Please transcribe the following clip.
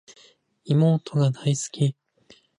妹が大好き